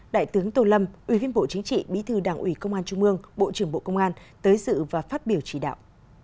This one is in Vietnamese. đại tướng tô lâm ủy viên bộ chính trị bí thư đảng ủy công an trung mương bộ trưởng bộ công an tới dự và phát biểu chỉ đạo